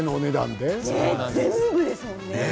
全部ですものね。